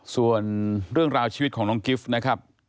ส่วนเรื่องราวชีวิตของน้องกิฟต์นะครับ